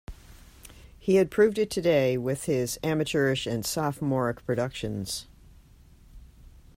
He had proved it today, with his amateurish and sophomoric productions.